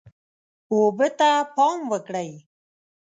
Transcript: اوبه ته پام وکړئ.